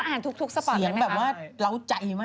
อ๋อแล้วอ่านทุกสปอตใช่ไหมคะเสียงแบบว่าเล้าใจมาก